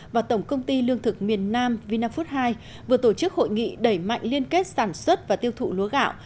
và tổng công ty lương thực miền nam vina food hai vừa tổ chức hội nghị đẩy mạnh liên kết sản xuất và tiêu thụ lúa gạo